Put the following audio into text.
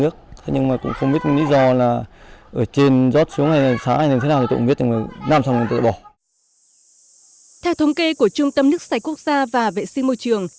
theo thống kê của trung tâm nước sạch quốc gia và vệ sinh môi trường